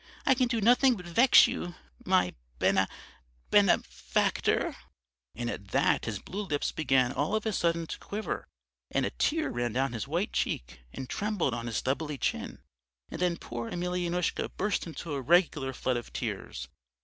I can do nothing but vex you, my bene bene factor....' "And at that his blue lips began all of a sudden to quiver, and a tear ran down his white cheek and trembled on his stubbly chin, and then poor Emelyanoushka burst into a regular flood of tears.